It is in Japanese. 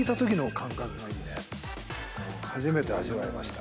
初めて味わいました。